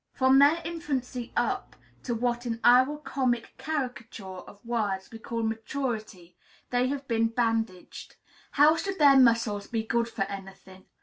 From their infancy up to what in our comic caricature of words we call "maturity," they have been bandaged. How should their muscles be good for any thing?